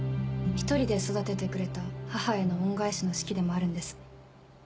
１人で育ててくれた母への恩返しの式でもあるんです。